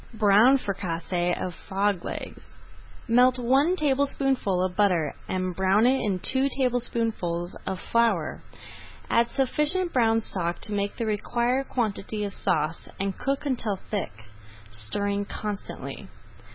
BROWN FRICASSÉE OF FROG LEGS Melt one tablespoonful of butter and brown in it two tablespoonfuls of flour. Add sufficient brown stock to make the required quantity of sauce and cook until thick, stirring constantly.